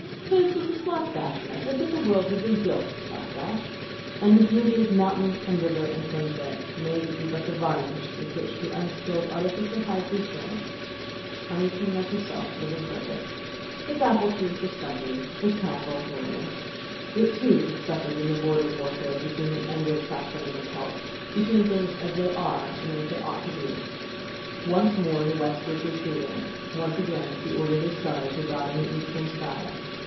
His was a slap dash method, but the world has been built slap dash, and the beauty of mountain and river and sunset may be but the varnish with which the unskilled artificer hides his joins. Oniton, like herself, was imperfect. Its apple trees were stunted, its castle ruinous. It, too, had suffered in the border warfare between the Anglo Saxon and the Kelt, between things as they are and as they ought to be. Once more the west was retreating, once again the orderly stars were dotting the eastern sky.